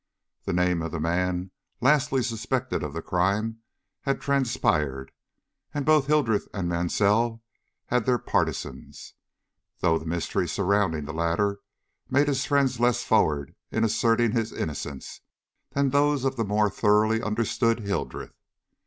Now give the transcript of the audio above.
The name of the man lastly suspected of the crime had transpired, and both Hildreth and Mansell had their partisans, though the mystery surrounding the latter made his friends less forward in asserting his innocence than those of the more thoroughly understood Hildreth.